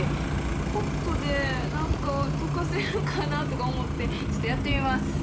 ポットで溶かせるかと思ってちょっとやってみます。